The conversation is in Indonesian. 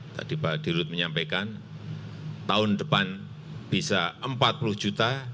tadi pak dirut menyampaikan tahun depan bisa empat puluh juta